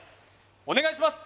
お願いします